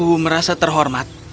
aku merasa terhormat